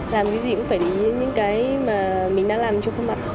làm cái gì cũng phải để ý đến những cái mà mình đã làm cho khuôn mặt